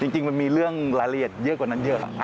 จริงมันมีเรื่องรายละเอียดเยอะกว่านั้นเยอะ